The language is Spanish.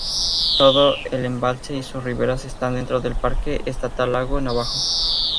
Todo el embalse y sus riberas están dentro del Parque Estatal Lago Navajo.